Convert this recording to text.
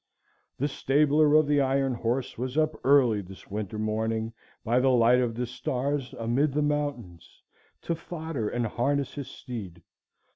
The stabler of the iron horse was up early this winter morning by the light of the stars amid the mountains, to fodder and harness his steed.